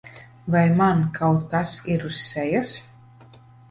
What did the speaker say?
Vai man kaut kas ir uz sejas?